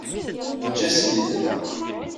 Eǧǧ-as-t-id.